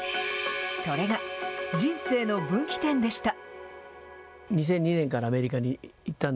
それが、人生の分岐点でした。